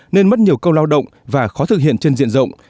nên mất nhiều công lao động và khó thực hiện trên diện rộng